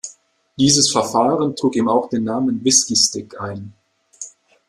Dieses Verfahren trug ihm auch den Namen "whiskey-stick" ein.